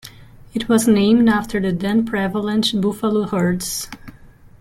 It was named after the then-prevalent buffalo herds.